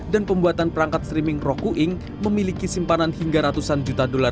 dan pembuatan perangkat streaming roku inc memiliki simpanan hingga ratusan juta dolar